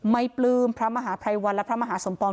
ปลื้มพระมหาภัยวันและพระมหาสมปอง